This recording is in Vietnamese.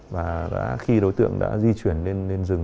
và khi đối tượng đã di chuyển lên rừng